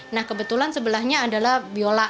nah kebetulan sebelahnya adalah biola